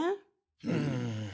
うん。